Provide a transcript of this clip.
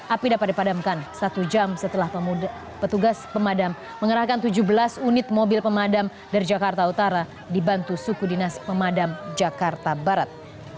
api dapat dipadamkan satu jam setelah petugas pemadam mengerahkan tujuh belas unit mobil pemadam dari jakarta utara dibantu suku dinas pemadam jakarta barat